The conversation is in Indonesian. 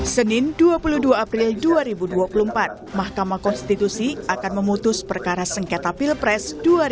senin dua puluh dua april dua ribu dua puluh empat mahkamah konstitusi akan memutus perkara sengketa pilpres dua ribu dua puluh